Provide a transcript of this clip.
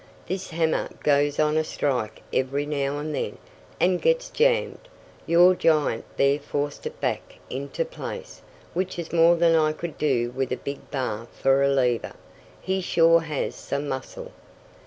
"This hammer goes on a strike every now and then, and gets jammed. Your giant there forced it back into place, which is more than I could do with a big bar for a lever. He sure has some muscle."